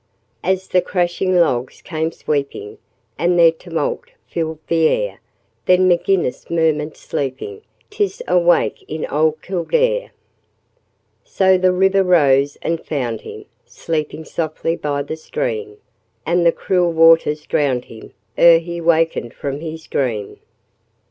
As the crashing logs came sweeping, And their tumult filled the air, Then M'Ginnis murmured, sleeping, ''Tis a wake in ould Kildare.' So the river rose and found him Sleeping softly by the stream, And the cruel waters drowned him Ere he wakened from his dream.